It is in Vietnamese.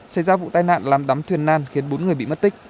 xảy ra vụ tai nạn làm đắm thuyền nan khiến bốn người bị mất tích